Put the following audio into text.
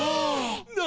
何？